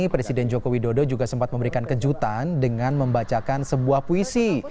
presiden joko widodo juga sempat memberikan kejutan dengan membacakan sebuah puisi